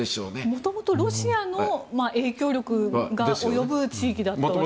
元々、ロシアの影響力が及ぶ地域だったんですよね。